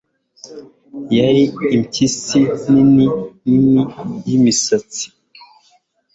yari impyisi nini nini yimisatsi